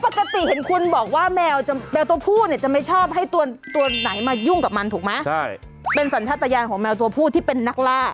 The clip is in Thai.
ปกติเห็นคุณบอกว่าแมวแมวตัวผู้เนี่ยจะไม่ชอบให้ตัวตัวไหนมายุ่งกับมันถูกไหมใช่เป็นสัญชาติยานของแมวตัวผู้ที่เป็นนักล่า